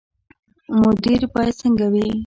مدیر باید څنګه وي؟